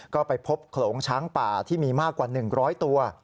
ก็ไปพบโขลงช้างป่าที่มีมากกว่า๑๐๐ตัว